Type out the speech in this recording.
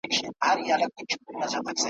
په ټپوس کي د باز خویونه نه وي